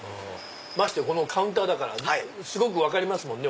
ましてやカウンターだからすごく分かりますもんね